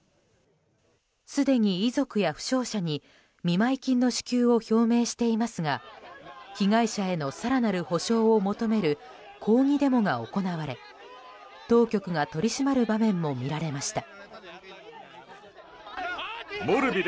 すでに遺族や死傷者に見舞金の支給を表明していますが被害者への更なる補償を求める抗議デモが行われ当局が取り締まる場面も見られました。